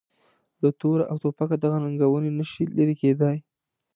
له توره او توپکه دغه ننګونې نه شي لرې کېدای.